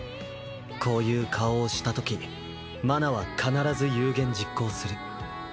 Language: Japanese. こういう顔をしたとき麻奈は必ず有言実行する